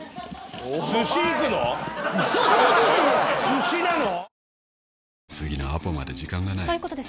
寿司なの？